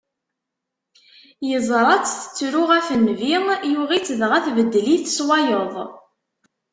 Yeẓra-tt tettru ɣef nnbi, yuɣ-itt, dɣa tbeddel-it s wayeḍ.